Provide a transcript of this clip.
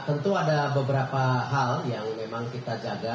ya tentu ada beberapa hal yang memang kita jaga